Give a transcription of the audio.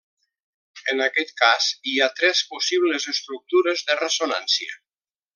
En aquest cas, hi ha tres possibles estructures de ressonància.